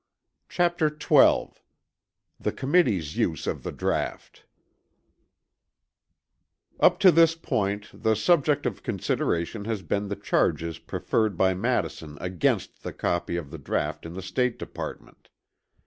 CHAPTER XII THE COMMITTEE'S USE OF THE DRAUGHT Up to this point the subject of consideration has been the charges preferred by Madison against the copy of the draught in the State Department.